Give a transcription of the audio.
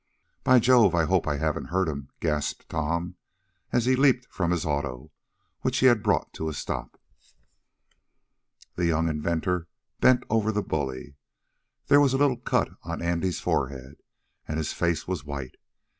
"By Jove! I hope I haven't hurt him!" gasped Tom, as he leaped from his auto, which he had brought to a stop. The young inventor bent over the bully. There was a little cut on Andy's forehead, and his face was white.